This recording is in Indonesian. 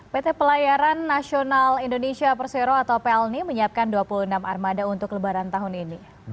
pt pelayaran nasional indonesia persero atau plni menyiapkan dua puluh enam armada untuk lebaran tahun ini